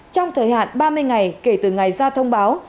trong thời hạn ba mươi ngày kể từ ngày ra thông báo